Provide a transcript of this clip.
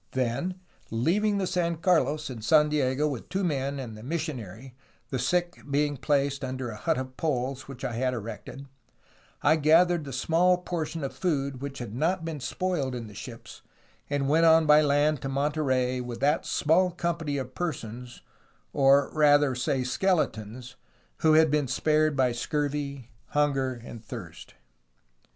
Then, leaving the San Carlos in San Diego with two men and the mis sionary, the sick being placed under a hut of poles which I had had erected, I gathered the small portion of food which had not been spoiled in the ships, and went on by land to Monterey with that small company of persons, or rather say skeletons, who had been spared by scurvy, hunger, and thirst.